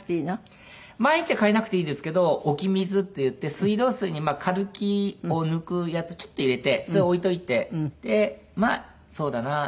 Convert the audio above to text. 毎日は替えなくていいですけど置き水っていって水道水にカルキを抜くやつちょっと入れてそれを置いといてでまあそうだな。